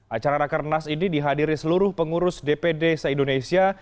acara rakernas ini dihadiri seluruh pengurus dpd se indonesia